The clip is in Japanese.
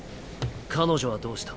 彼女はどうした？